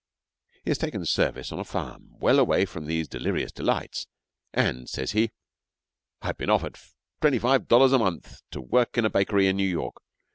He has taken service on a farm well away from these delirious delights, and, says he, 'I've been offered $25 a month to work in a bakery at New York.